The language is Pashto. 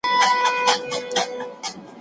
خاونده ستا د جمال نور به په سهار کې اوسې